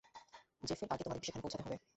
জেফের আগে তোমাদেরকে সেখানে পৌঁছাতে হবে।